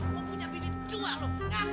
mau punya bintik tua lo